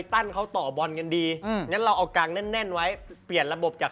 ถ้าเราเอากางแน่นไว้เปลี่ยนระบบจาก๔๒๓๑